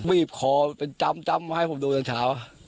บีบคอเป็นจำมาให้ผมดูตอนเช้า